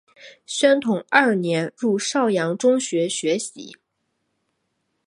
宣统二年入邵阳中学学习。